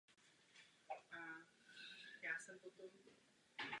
Obhajovala dřívější podobu monarchie a antisemitismus.